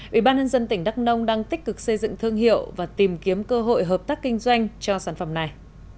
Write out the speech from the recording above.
ủy ban nhân dân tỉnh đắk nông đang tích cực xây dựng thương hiệu và tìm kiếm cơ hội hợp tác kinh doanh cho sản phẩm này